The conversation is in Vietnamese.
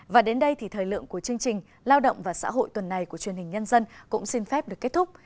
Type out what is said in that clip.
và đến đây thì thời lượng của chương trình lao động và xã hội tuần này của truyền hình nhân dân cũng xin phép được kết thúc